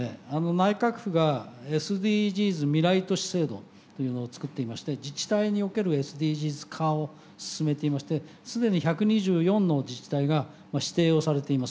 内閣府がＳＤＧｓ未来都市制度というのを作っていまして自治体におけるＳＤＧｓ化を進めていまして既に１２４の自治体が指定をされています。